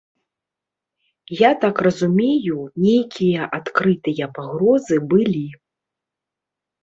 Я так разумею, нейкія адкрытыя пагрозы былі.